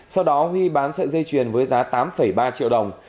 sau đó huy bán sợi dây chuyền với giá tám ba triệu đồng